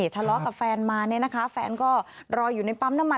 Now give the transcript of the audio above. ทะเลาะกับแฟนมาเนี่ยนะคะแฟนก็รออยู่ในปั๊มน้ำมัน